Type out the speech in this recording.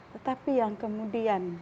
tetapi yang kemudian